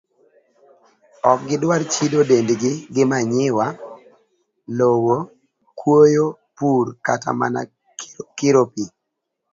Ok gidwar chido dendgi gi manyiwa, lowo, kuoyo, pur, kata mana kiro pi.